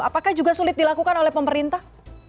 apakah juga sulit dilakukan oleh pemerintah